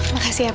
makasih ya pak